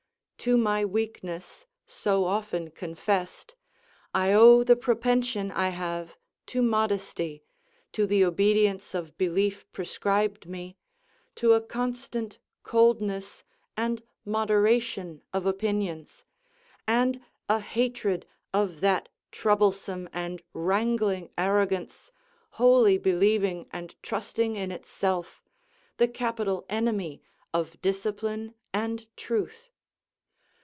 To my weakness, so often confessed, I owe the propension I have to modesty, to the obedience of belief prescribed me, to a constant coldness and moderation of opinions, and a hatred of that troublesome and wrangling arrogance, wholly believing and trusting in itself, the capital enemy of discipline and truth.